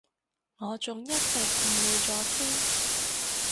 我仲一直誤會咗添